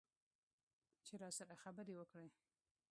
چې راسره خبرې وکړي.